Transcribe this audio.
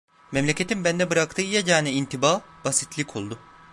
Memleketin bende bıraktığı yegane intiba basitlik oldu.